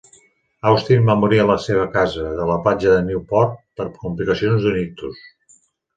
Austin va morir a la seva casa de la platja de Newport per complicacions d'un ictus.